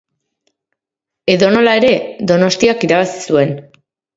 Edonola ere, Donostiak irabazi zuen